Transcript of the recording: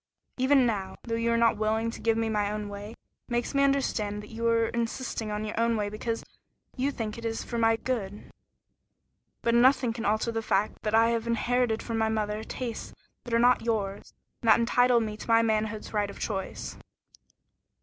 Even now, though you are not willing to give me my own way, it makes me understand that you are insisting on your way because you think it is for my good. But nothing can alter the fact that I have inherited from my mother tastes that are not yours, and that entitle me to my manhood's right of choice."